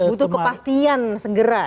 butuh kepastian segera